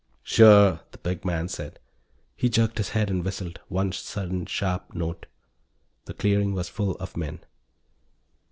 "Sure," the big man said. He jerked his head and whistled, one sudden sharp note. The clearing was full of men.